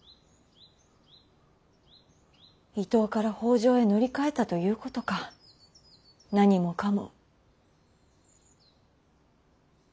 伊東から北条へ乗り換えたということか何もかも。